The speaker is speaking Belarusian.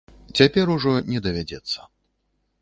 Цяпер ужо не давядзецца.